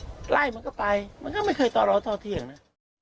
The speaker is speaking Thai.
อืมไล่มันก็ไปมันก็ไม่เคยต่อร้อยต่อเที่ยงนะ